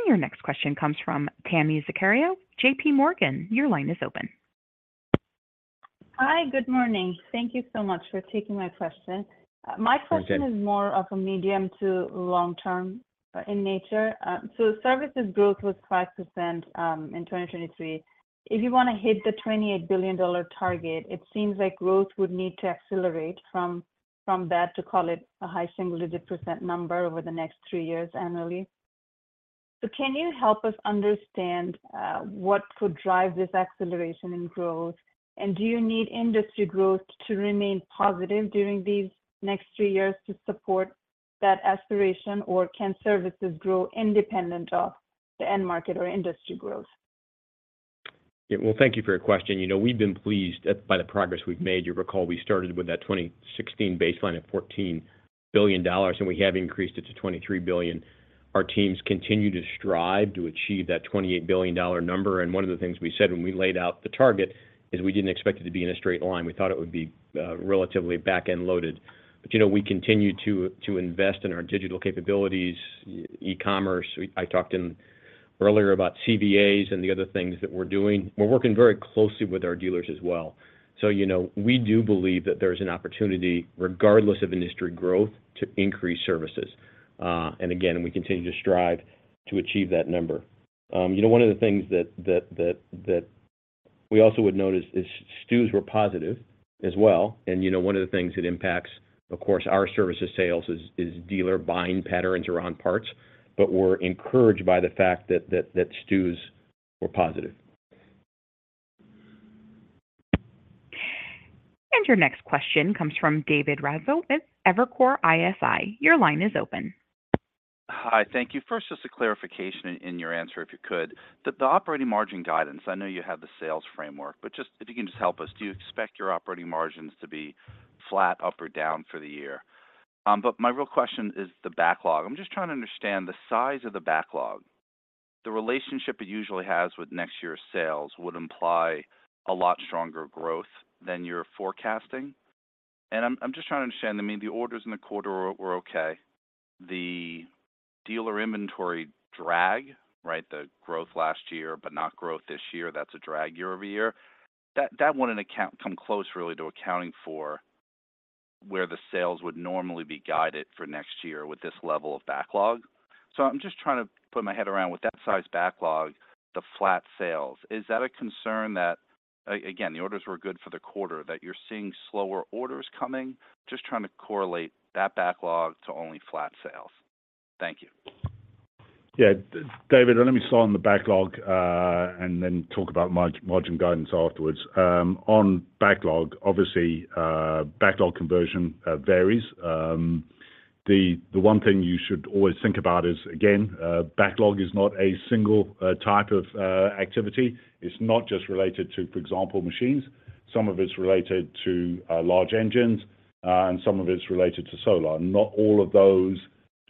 Your next question comes from Tami Zakaria, J.P. Morgan. Your line is open. Hi, good morning. Thank you so much for taking my question. Thank you. My question is more of a medium- to long-term in nature. Services growth was 5% in 2023. If you want to hit the $28 billion target, it seems like growth would need to accelerate from, from that to call it a high single-digit % number over the next three years annually. Can you help us understand what could drive this acceleration in growth? And do you need industry growth to remain positive during these next three years to support that aspiration, or can services grow independent of the end market or industry growth? Yeah. Well, thank you for your question. You know, we've been pleased by the progress we've made. You recall, we started with that 2016 baseline of $14 billion, and we have increased it to $23 billion. Our teams continue to strive to achieve that $28 billion number. One of the things we said when we laid out the target is we didn't expect it to be in a straight line. We thought it would be relatively back-end loaded. But, you know, we continue to invest in our digital capabilities, e-commerce. I talked earlier about CVAs and the other things that we're doing. We're working very closely with our dealers as well. So, you know, we do believe that there's an opportunity, regardless of industry growth, to increase services. And again, we continue to strive to achieve that number. You know, one of the things that we also would notice is STUs were positive as well. And, you know, one of the things that impacts, of course, our services sales is dealer buying patterns around parts, but we're encouraged by the fact that STUs were positive. Your next question comes from David Raso with Evercore ISI. Your line is open. Hi, thank you. First, just a clarification in your answer, if you could. The operating margin guidance, I know you have the sales framework, but just, if you can just help us, do you expect your operating margins to be flat, up, or down for the year? But my real question is the backlog. I'm just trying to understand the size of the backlog. The relationship it usually has with next year's sales would imply a lot stronger growth than you're forecasting. And I'm just trying to understand. I mean, the orders in the quarter were okay. The dealer inventory drag, right? The growth last year, but not growth this year, that's a drag year-over-year. That wouldn't account, come close, really, to accounting for where the sales would normally be guided for next year with this level of backlog. So I'm just trying to put my head around with that size backlog, the flat sales. Is that a concern that, again, the orders were good for the quarter, that you're seeing slower orders coming? Just trying to correlate that backlog to only flat sales. Thank you. Yeah. David, let me start on the backlog, and then talk about margin guidance afterwards. On backlog, obviously, backlog conversion varies. The one thing you should always think about is, again, backlog is not a single type of activity. It's not just related to, for example, machines. Some of it's related to large engines, and some of it's related to Solar. Not all of those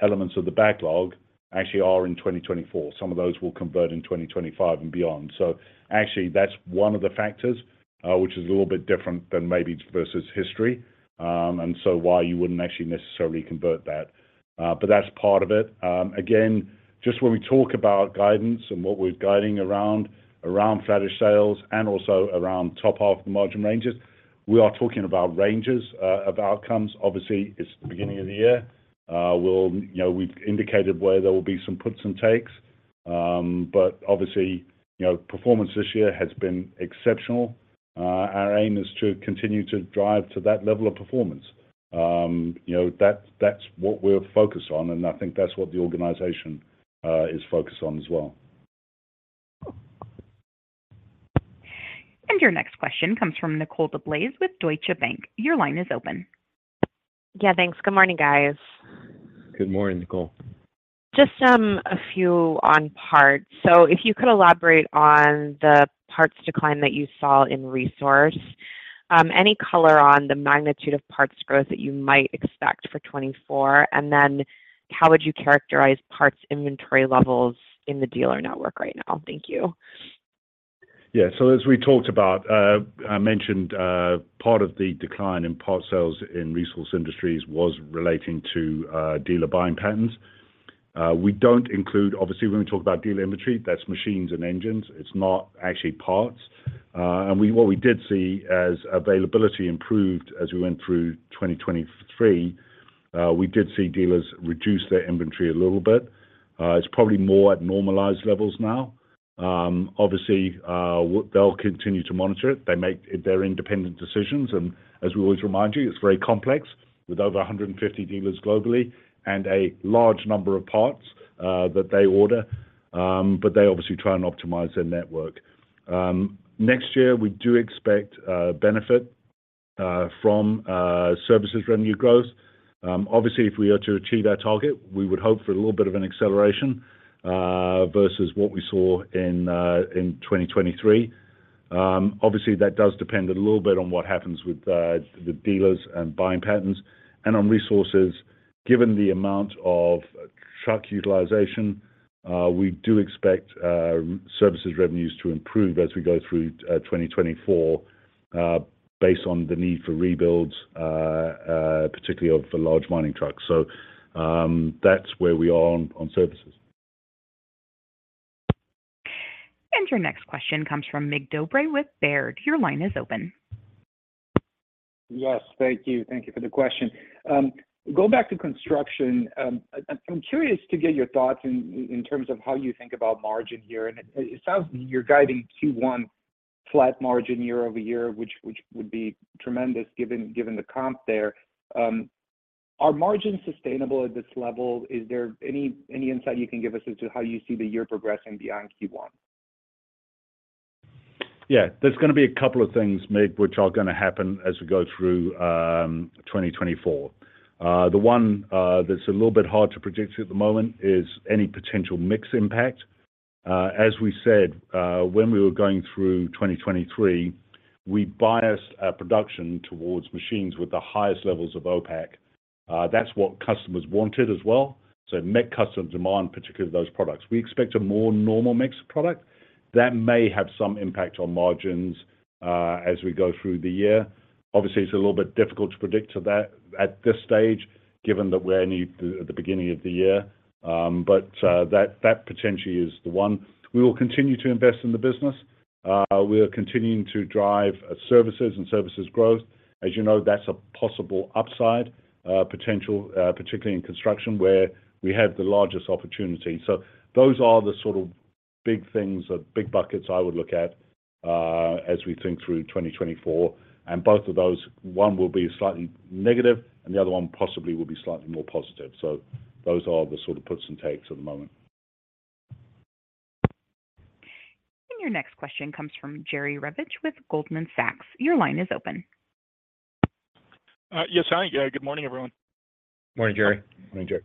elements of the backlog actually are in 2024. Some of those will convert in 2025 and beyond. So actually, that's one of the factors, which is a little bit different than maybe versus history. And so why you wouldn't actually necessarily convert that. But that's part of it. Again, just when we talk about guidance and what we're guiding around, flattish sales and also around top half margin ranges, we are talking about ranges of outcomes. Obviously, it's the beginning of the year. We'll, you know, we've indicated where there will be some puts and takes. But obviously, you know, performance this year has been exceptional. Our aim is to continue to drive to that level of performance. You know, that's what we're focused on, and I think that's what the organization is focused on as well. Your next question comes from Nicole DeBlase with Deutsche Bank. Your line is open. Yeah, thanks. Good morning, guys. Good morning, Nicole. Just a few on parts. If you could elaborate on the parts decline that you saw in resource, any color on the magnitude of parts growth that you might expect for 2024? And then how would you characterize parts inventory levels in the dealer network right now? Thank you. Yeah. So as we talked about, I mentioned, part of the decline in part sales in resource industries was relating to dealer buying patterns. We don't include, obviously, when we talk about dealer inventory, that's machines and engines. It's not actually parts. And what we did see as availability improved as we went through 2023, we did see dealers reduce their inventory a little bit. It's probably more at normalized levels now. Obviously, they'll continue to monitor it. They make their independent decisions, and as we always remind you, it's very complex, with over 150 dealers globally and a large number of parts that they order. But they obviously try and optimize their network. Next year, we do expect benefit from services revenue growth. Obviously, if we are to achieve our target, we would hope for a little bit of an acceleration versus what we saw in 2023. Obviously, that does depend a little bit on what happens with the dealers and buying patterns and on resources. Given the amount of truck utilization, we do expect services revenues to improve as we go through 2024, based on the need for rebuilds, particularly for large mining trucks. So, that's where we are on services. Your next question comes from Mircea Dobre with Baird. Your line is open. Yes, thank you. Thank you for the question. Going back to construction, I'm curious to get your thoughts in terms of how you think about margin here, and it sounds you're guiding Q1 flat margin year-over-year, which would be tremendous given the comp there. Are margins sustainable at this level? Is there any insight you can give us as to how you see the year progressing beyond Q1? Yeah, there's gonna be a couple of things, Mir, which are gonna happen as we go through 2024. The one that's a little bit hard to predict at the moment is any potential mix impact. As we said, when we were going through 2023, we biased our production towards machines with the highest levels of OPACC. That's what customers wanted as well, so it met customer demand, particularly those products. We expect a more normal mix of product. That may have some impact on margins, as we go through the year. Obviously, it's a little bit difficult to predict to that at this stage, given that we're only at the beginning of the year, but that potentially is the one. We will continue to invest in the business. We are continuing to drive services and services growth. As you know, that's a possible upside, potential, particularly in construction, where we have the largest opportunity. So those are the sort of big things or big buckets I would look at, as we think through 2024. And both of those, one will be slightly negative, and the other one possibly will be slightly more positive. So those are the sort of puts and takes at the moment. Your next question comes from Jerry Revich with Goldman Sachs. Your line is open. Yes, hi. Yeah, good morning, everyone. Morning, Jerry. Morning, Jerry.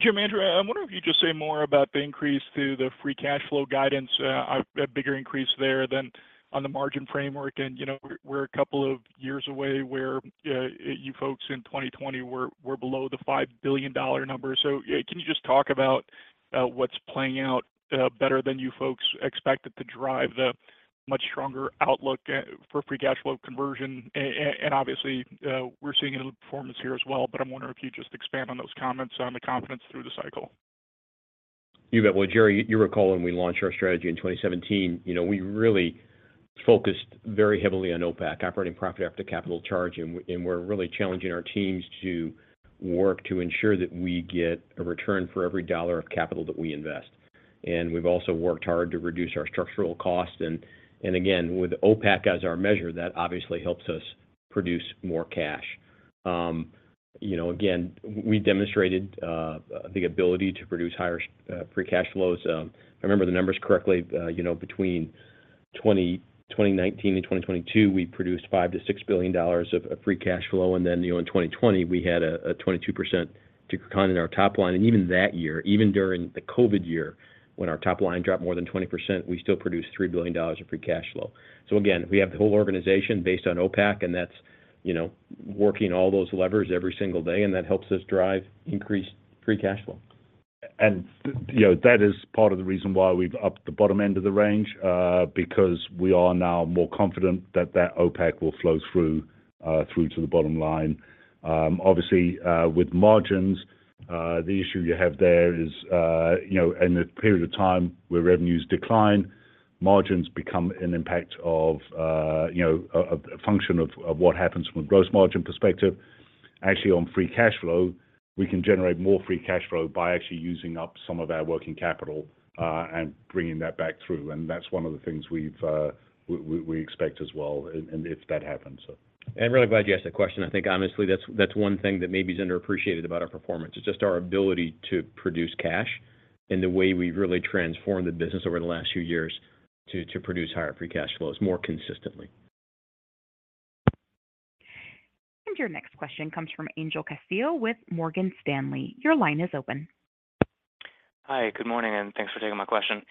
Jim, Andrew, I wonder if you could just say more about the increase to the free cash flow guidance. A bigger increase there than on the margin framework and, you know, we're a couple of years away where you folks in 2020 were below the $5 billion number. So, yeah, can you just talk about what's playing out better than you folks expected to drive the much stronger outlook for free cash flow conversion? And obviously, we're seeing it in performance here as well, but I'm wondering if you just expand on those comments on the confidence through the cycle. You bet. Well, Jerry, you recall when we launched our strategy in 2017, you know, we really focused very heavily on OPACC, operating profit after capital charge, and we, and we're really challenging our teams to work to ensure that we get a return for every dollar of capital that we invest. And we've also worked hard to reduce our structural cost, and, and again, with OPACC as our measure, that obviously helps us produce more cash. You know, again, we demonstrated the ability to produce higher free cash flows. If I remember the numbers correctly, you know, between 2019 and 2022, we produced $5 billion-$6 billion of free cash flow, and then, you know, in 2020, we had a 22% decline in our top line. Even that year, even during the COVID year, when our top line dropped more than 20%, we still produced $3 billion of free cash flow. So again, we have the whole organization based on OPACC, and that's, you know, working all those levers every single day, and that helps us drive increased free cash flow. You know, that is part of the reason why we've upped the bottom end of the range, because we are now more confident that that OPACC will flow through to the bottom line. Obviously, with margins, the issue you have there is, you know, in a period of time where revenues decline, margins become an impact of, you know, a function of what happens from a gross margin perspective. Actually, on free cash flow, we can generate more free cash flow by actually using up some of our working capital, and bringing that back through. And that's one of the things we expect as well, and if that happens, so... I'm really glad you asked that question. I think honestly, that's, that's one thing that maybe is underappreciated about our performance, is just our ability to produce cash and the way we've really transformed the business over the last few years to, to produce higher free cash flows more consistently. Your next question comes from Angel Castillo with Morgan Stanley. Your line is open. Hi, good morning, and thanks for taking my question.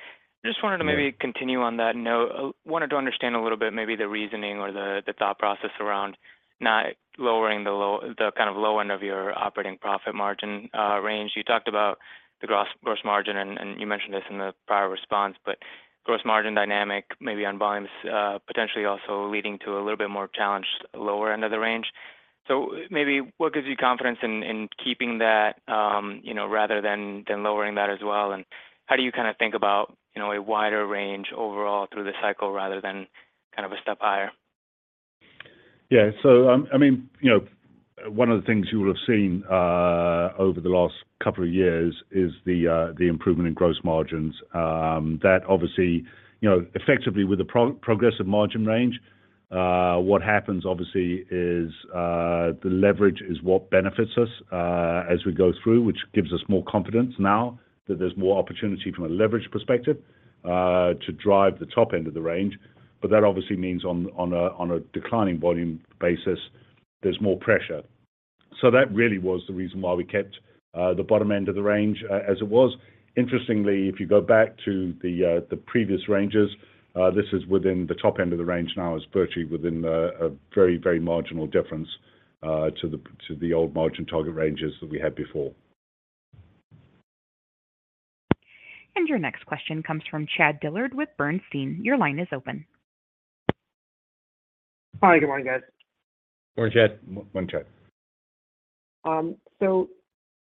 I just wanted to- Yeah... maybe continue on that note. I wanted to understand a little bit, maybe the reasoning or the thought process around not lowering the low end of your operating profit margin range. You talked about the gross margin and you mentioned this in the prior response, but gross margin dynamic, maybe on volumes, potentially also leading to a little bit more challenged lower end of the range. So maybe what gives you confidence in keeping that, you know, rather than lowering that as well? And how do you kinda think about, you know, a wider range overall through the cycle rather than kind of a step higher? Yeah. So, I mean, you know, one of the things you will have seen over the last couple of years is the improvement in gross margins. That obviously, you know, effectively with the progressive margin range, what happens obviously is the leverage is what benefits us as we go through, which gives us more confidence now that there's more opportunity from a leverage perspective to drive the top end of the range. But that obviously means on a declining volume basis, there's more pressure. So that really was the reason why we kept the bottom end of the range as it was. Interestingly, if you go back to the previous ranges, this is within the top end of the range now. It's virtually within a very, very marginal difference to the old margin target ranges that we had before. Your next question comes from Chad Dillard with Bernstein. Your line is open. Hi, good morning, guys. Good morning, Chad. Morning, Chad. So,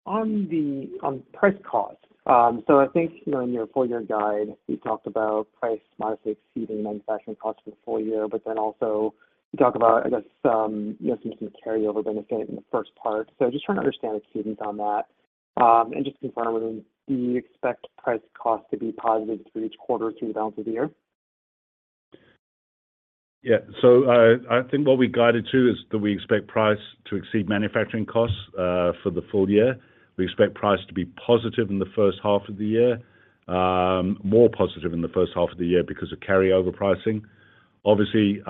on price cost, I think, you know, in your full-year guide, you talked about price modestly exceeding manufacturing costs for the full year, but then also you talk about, I guess, you know, some carryover benefit in the first part. So just trying to understand the cadence on that, and just confirm, do you expect price cost to be positive through each quarter through the balance of the year? Yeah. So, I think what we guided to is that we expect price to exceed manufacturing costs for the full year. We expect price to be positive in the first half of the year, more positive in the first half of the year because of carryover pricing. Obviously,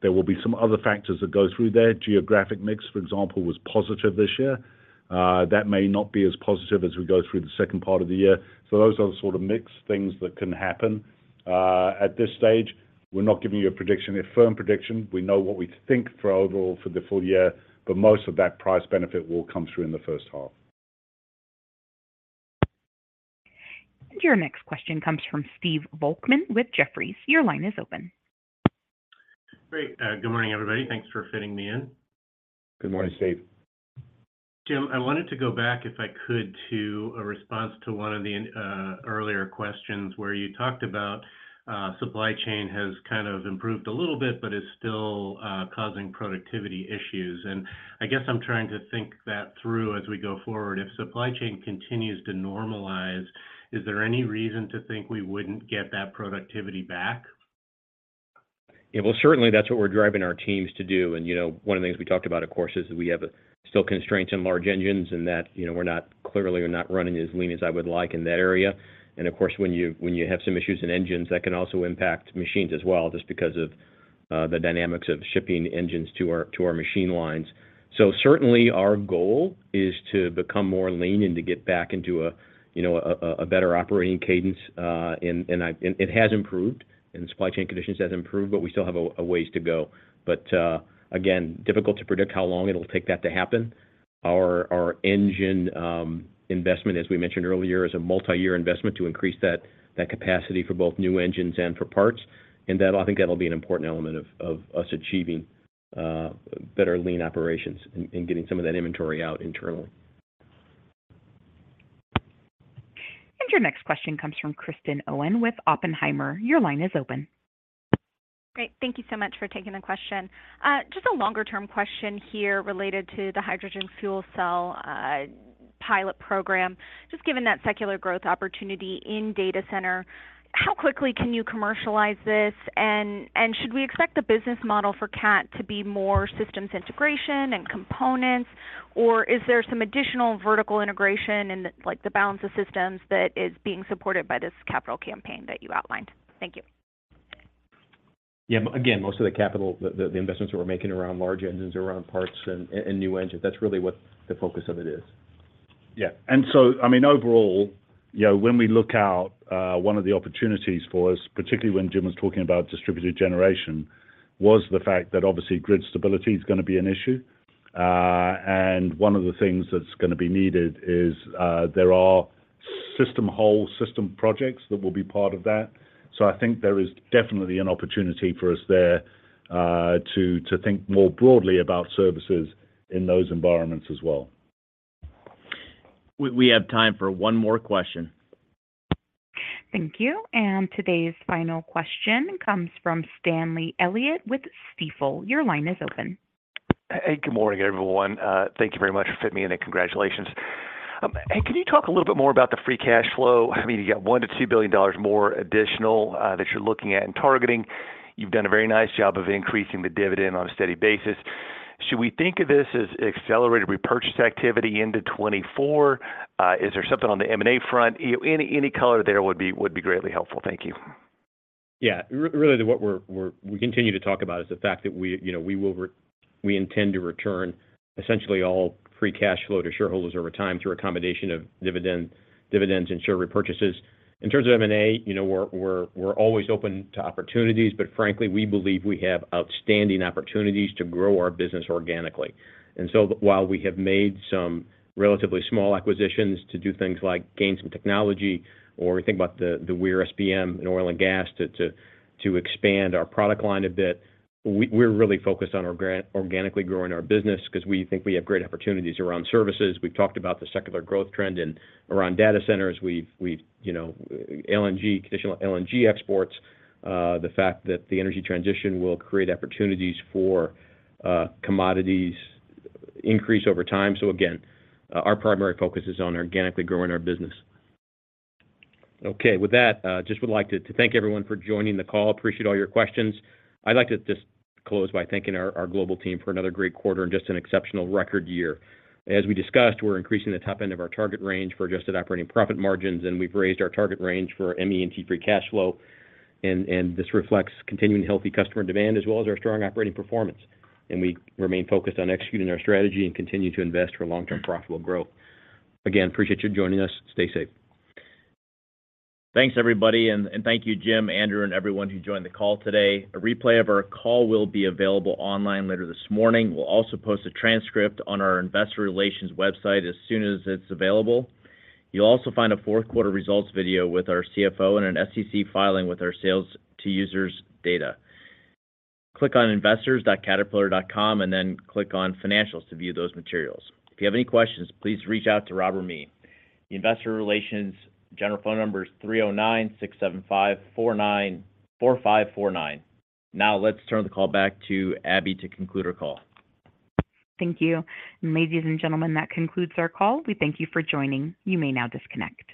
there will be some other factors that go through there. Geographic mix, for example, was positive this year. That may not be as positive as we go through the second part of the year. So those are the sort of mix things that can happen. At this stage, we're not giving you a prediction, a firm prediction. We know what we think for overall for the full year, but most of that price benefit will come through in the first half. Your next question comes from Stephen Volkmann with Jefferies. Your line is open. Great. Good morning, everybody. Thanks for fitting me in. Good morning, Steve. Jim, I wanted to go back, if I could, to a response to one of the earlier questions, where you talked about supply chain has kind of improved a little bit, but is still causing productivity issues. I guess I'm trying to think that through as we go forward. If supply chain continues to normalize, is there any reason to think we wouldn't get that productivity back? Yeah, well, certainly that's what we're driving our teams to do. And, you know, one of the things we talked about, of course, is we still have constraints in large engines and that, you know, we're not, clearly we're not running as lean as I would like in that area. And of course, when you have some issues in engines, that can also impact machines as well, just because of the dynamics of shipping engines to our machine lines. So certainly our goal is to become more lean and to get back into a better operating cadence. And it has improved, and supply chain conditions have improved, but we still have a ways to go. But again, difficult to predict how long it'll take that to happen. Our engine investment, as we mentioned earlier, is a multi-year investment to increase that capacity for both new engines and for parts. And that'll, I think that'll be an important element of us achieving better lean operations and getting some of that inventory out internally. Your next question comes from Kristen Owen with Oppenheimer. Your line is open. Great. Thank you so much for taking the question. Just a longer-term question here related to the hydrogen fuel cell pilot program. Just given that secular growth opportunity in data center, how quickly can you commercialize this? And should we expect the business model for Cat to be more systems integration and components, or is there some additional vertical integration in the, like, the balance of systems that is being supported by this capital campaign that you outlined? Thank you. Yeah. Again, most of the capital, the investments that we're making around large engines, around parts and new engines, that's really what the focus of it is. Yeah. So, I mean, overall, you know, when we look out, one of the opportunities for us, particularly when Jim was talking about distributed generation, was the fact that obviously grid stability is gonna be an issue. And one of the things that's gonna be needed is there are whole system projects that will be part of that. So I think there is definitely an opportunity for us there, to think more broadly about services in those environments as well. We have time for one more question. Thank you. Today's final question comes from Stanley Elliott with Stifel. Your line is open. Hey, good morning, everyone. Thank you very much for fitting me in, and congratulations. Hey, can you talk a little bit more about the free cash flow? I mean, you got $1 billion-$2 billion more additional that you're looking at and targeting. You've done a very nice job of increasing the dividend on a steady basis. Should we think of this as accelerated repurchase activity into 2024? Is there something on the M&A front? Any color there would be greatly helpful. Thank you. Yeah. Really, what we're continuing to talk about is the fact that we, you know, we intend to return essentially all free cash flow to shareholders over time through a combination of dividends and share repurchases. In terms of M&A, you know, we're always open to opportunities, but frankly, we believe we have outstanding opportunities to grow our business organically. And so while we have made some relatively small acquisitions to do things like gain some technology or we think about the Weir SPM in oil and gas to expand our product line a bit, we're really focused on organically growing our business because we think we have great opportunities around services. We've talked about the secular growth trend and around data centers. We've you know, LNG, conditional LNG exports, the fact that the energy transition will create opportunities for commodities increase over time. So again, our primary focus is on organically growing our business. Okay, with that, just would like to thank everyone for joining the call. Appreciate all your questions. I'd like to just close by thanking our global team for another great quarter and just an exceptional record year. As we discussed, we're increasing the top end of our target range for adjusted operating profit margins, and we've raised our target range for ME&T free cash flow. And this reflects continuing healthy customer demand as well as our strong operating performance. And we remain focused on executing our strategy and continue to invest for long-term profitable growth. Again, appreciate you joining us. Stay safe. Thanks, everybody, and thank you, Jim, Andrew, and everyone who joined the call today. A replay of our call will be available online later this morning. We'll also post a transcript on our investor relations website as soon as it's available. You'll also find a fourth quarter results video with our CFO and an SEC filing with our sales to users data. Click on investors.caterpillar.com, and then click on Financials to view those materials. If you have any questions, please reach out to Rob or me. The investor relations general phone number is 309-675-4549. Now, let's turn the call back to Abby to conclude our call. Thank you. Ladies and gentlemen, that concludes our call. We thank you for joining. You may now disconnect.